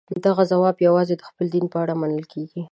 دغه ځواب یوازې د خپل دین په اړه منل کېږي.